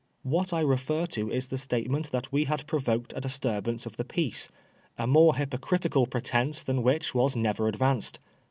What I refer to is the statement that we had provoked a disturbance of the peace ; a more hypocritical pretence than which was never advanced.